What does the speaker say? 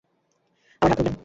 আমার হাত ধরলেন।